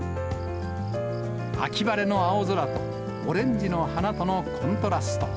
秋晴れの青空と、オレンジの花とのコントラスト。